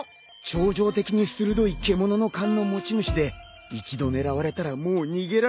超常的に鋭い獣の勘の持ち主で一度狙われたらもう逃げられないよ。